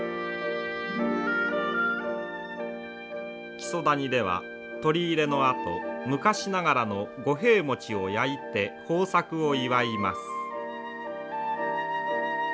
木曽谷では取り入れのあと昔ながらの五平餅を焼いて豊作を祝います。